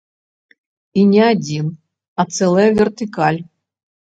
І не адзін, а цэлая вертыкаль.